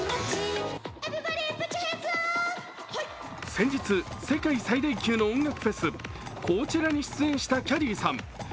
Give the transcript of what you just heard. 先日、世界最大級の音楽フェス、コーチェラに出演したきゃりーさん。